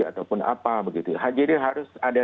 ataupun apa jadi harus ada